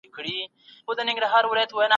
دا بدلون د ژوند نښه ده.